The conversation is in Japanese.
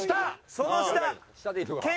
その下。